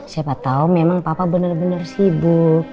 siapa tahu memang papa benar benar sibuk